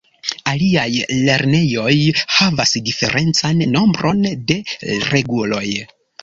Aliaj lernejoj havas diferencan nombron de reguloj.